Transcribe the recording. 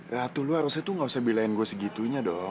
ratu lu harusnya tuh nggak usah bilangin gue segitu